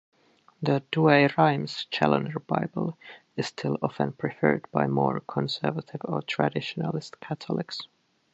The Douay-Rheims Challoner Bible is still often preferred by more conservative or Traditionalist Catholics.